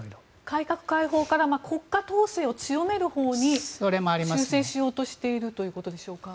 改革開放から国家統制を強めるほうに修正しようとしているということでしょうか。